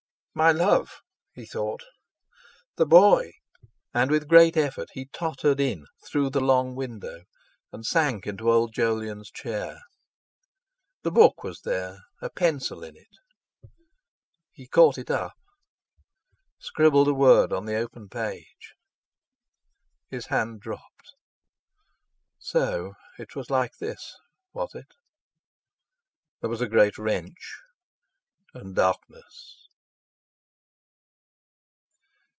'My love!' he thought; 'the boy!' And with a great effort he tottered in through the long window, and sank into old Jolyon's chair. The book was there, a pencil in it; he caught it up, scribbled a word on the open page.... His hand dropped.... So it was like this—was it?... There was a great wrench; and darkness....